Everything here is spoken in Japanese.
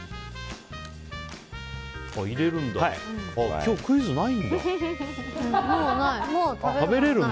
今日クイズないんだ。